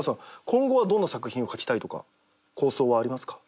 今後はどんな作品を書きたいとか構想はありますか？